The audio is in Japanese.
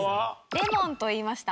レモンと言いました。